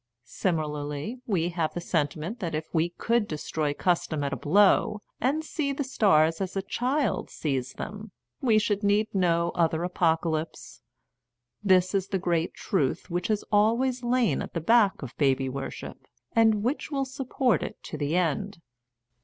Simi larly, we have the sentiment that if we could destroy custom at a blow and see the stars as a child sees them, we should need no other apocalypse. This is the great truth which has always lain at the back of baby worship, and which will support it to the end.